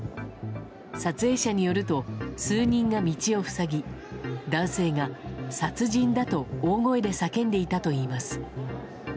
撮影者によると数人が道を塞ぎ男性が、殺人だと大声で叫んでいたといいます。